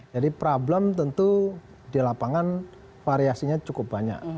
jadi problem tentu di lapangan variasinya cukup banyak